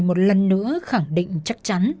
một lần nữa khẳng định chắc chắn